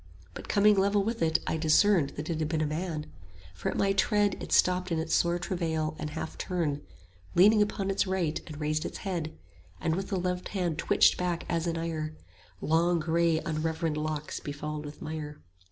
But coming level with it I discerned That it had been a man; for at my tread 20 It stopped in its sore travail and half turned, Leaning upon its right, and raised its head, And with the left hand twitched back as in ire Long grey unreverend locks befouled with mire.